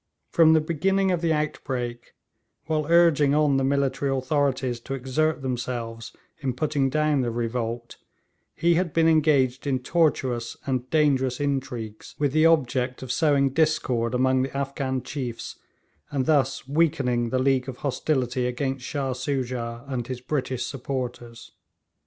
From the beginning of the outbreak, while urging on the military authorities to exert themselves in putting down the revolt, he had been engaged in tortuous and dangerous intrigues, with the object of sowing discord among the Afghan chiefs, and thus weakening the league of hostility against Shah Soojah and his British supporters.